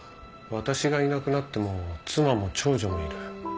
私がいなくなっても妻も長女もいる。